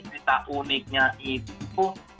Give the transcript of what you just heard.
cerita uniknya itu